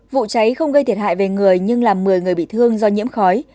vụ cháy không gây thiệt hại về người nhưng làm một mươi người bị thương do nhiễm khói